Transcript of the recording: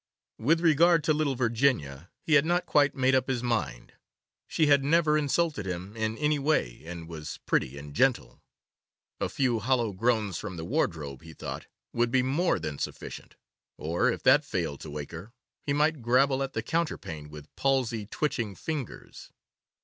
With regard to little Virginia, he had not quite made up his mind. She had never insulted him in any way, and was pretty and gentle. A few hollow groans from the wardrobe, he thought, would be more than sufficient, or, if that failed to wake her, he might grabble at the counterpane with palsy twitching fingers.